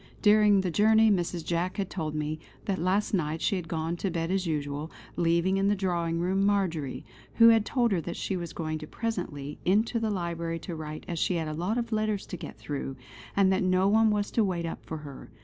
During the journey Mrs. Jack had told me that last night she had gone to bed as usual, leaving in the drawing room Marjory, who had told her that she was going presently into the library to write as she had a lot of letters to get through, and that no one was to wait up for her.